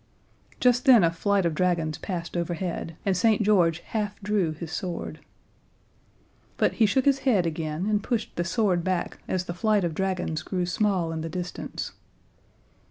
Just then a flight of dragons passed overhead, and St. George half drew his sword. But he shook his head again and pushed the sword back as the flight of dragons grew small in the distance.